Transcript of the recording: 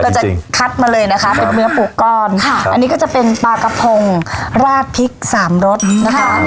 จะคัดมาเลยนะคะเป็นเนื้อปูก้อนค่ะอันนี้ก็จะเป็นปลากระพงราดพริกสามรสนะคะ